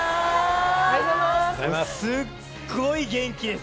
すっごい元気です。